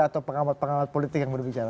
atau pengamat pengamat politik yang berbicara